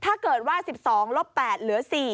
ถ้าเกิดว่า๑๒ลบ๘เหลือ๔